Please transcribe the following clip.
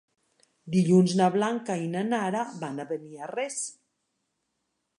Dilluns na Blanca i na Nara van a Beniarrés.